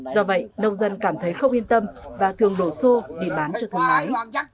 do vậy nông dân cảm thấy không yên tâm và thường đổ xô đi bán cho thương lái